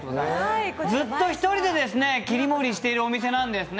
ずっと１人で切り盛りしているお店なんですね。